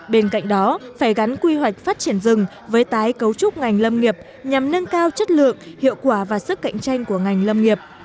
bên cạnh đó phải gắn quy hoạch phát triển rừng với tái cấu trúc ngành lâm nghiệp nhằm nâng cao chất lượng hiệu quả và sức cạnh tranh của ngành lâm nghiệp